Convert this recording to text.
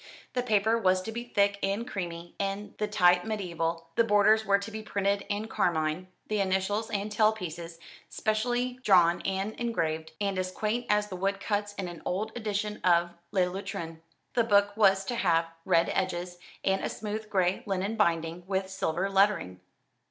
The paper was to be thick and creamy, the type mediaeval, the borders were to be printed in carmine, the initials and tail pieces specially drawn and engraved, and as quaint as the wood cuts in an old edition of "Le Lutrin." The book was to have red edges, and a smooth gray linen binding with silver lettering.